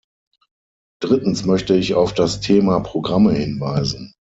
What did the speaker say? Drittens möchte ich auf das Thema Programme hinweisen.